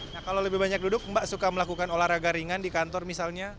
nah kalau lebih banyak duduk mbak suka melakukan olahraga ringan di kantor misalnya